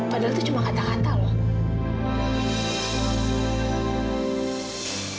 padahal itu cuma kata kata loh